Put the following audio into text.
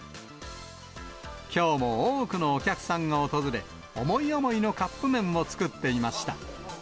きょうも多くのお客さんが訪れ、思い思いのカップ麺を作っていました。